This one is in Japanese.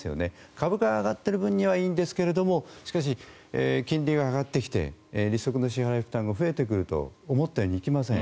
株価が上がる分にはいいんですがしかし、金利が上がってきて利息の支払い負担が増えてくると思ったようにいきません。